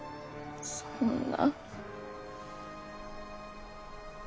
そんな。